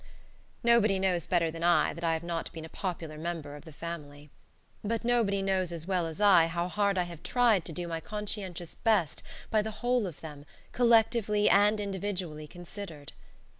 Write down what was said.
Nobody knows better than I that I have not been a popular member of this family. But nobody knows as well as I how hard I have tried to do my conscientious best by the whole of them, collectively and individually considered.